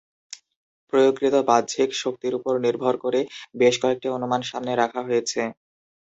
প্রয়োগকৃত বাহ্যিক শক্তির উপর নির্ভর করে বেশ কয়েকটি অনুমান সামনে রাখা হয়েছে।